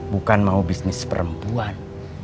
bukan mau bisnis perempuan